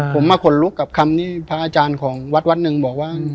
ผมมาขนลุกกับคำที่พระอาจารย์ของวัดวัดหนึ่งบอกว่า